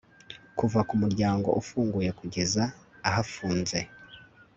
Kuva ku muryango ufunguyekugeza ahafunze